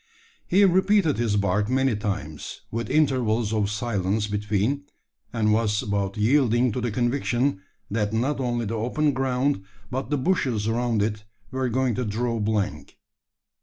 He repeated his bark many times, with intervals of silence between and was about yielding to the conviction, that not only the open ground, but the bushes around it, were going to draw blank.